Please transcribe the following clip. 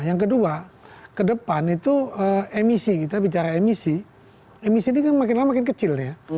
yang kedua ke depan itu emisi kita bicara emisi emisi ini kan makin lama makin kecil ya